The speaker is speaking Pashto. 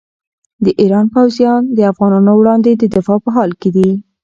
د ایران پوځیان د افغانانو وړاندې د دفاع په حال کې دي.